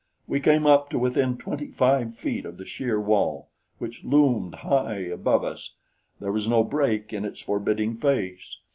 We came up to within twenty five feet of the sheer wall, which loomed high above us. There was no break in its forbidding face.